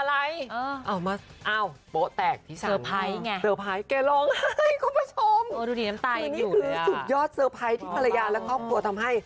นี่คือสุดยอดเซอร์ไพรส์ที่ภรรยาและครอบครัวทำให้